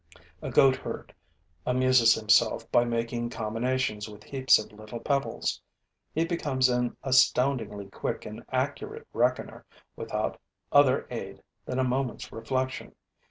A goatherd amuses himself by making combinations with heaps of little pebbles. He becomes an astoundingly quick and accurate reckoner without other aid than a moment's reflection.